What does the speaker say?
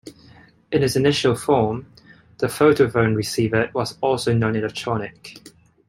In its initial form, the photophone receiver was also non-electronic.